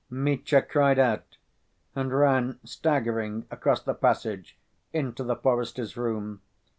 Mitya cried out, and ran staggering across the passage into the forester's room.